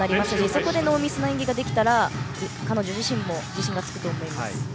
そこでノーミスの演技ができたら彼女自身も自信がつくと思います。